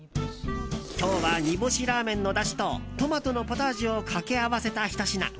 今日は煮干しラーメンのだしとトマトのポタージュを掛け合わせたひと品。